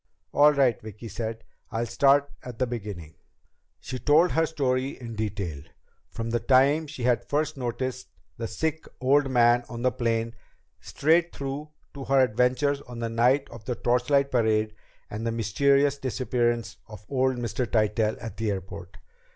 "All right," Vicki said. "I'll start at the beginning." She told her story in detail, from the time she had first noticed the sick old man on the plane straight through to her adventures on the night of the torchlight parade and the mysterious disappearance of old Mr. Tytell at the airport.